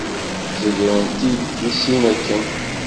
Zegren-t-id di sin akken.